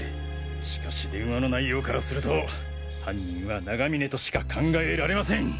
しかし電話の内容からすると犯人は永峰としか考えられません。